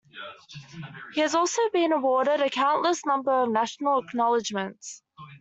He has also been awarded a countless number of national acknowledgements.